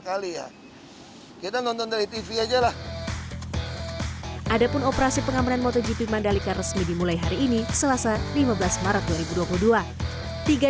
ada pun operasi pengamanan motogp mandalika resmi dimulai hari ini selasa lima belas maret dua ribu dua puluh dua